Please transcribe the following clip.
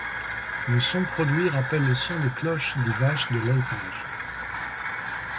Le son produit rappelle le son des cloches des vaches de l'alpage.